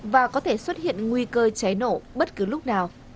và có thể xuất hiện nguy cơ cháy nổ bất cứ lúc nào